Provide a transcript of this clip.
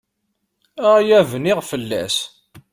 Aya bniɣ fell-as!